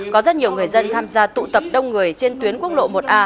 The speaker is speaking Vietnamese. có rất nhiều người dân tham gia tụ tập đông người trên tuyến quốc lộ một a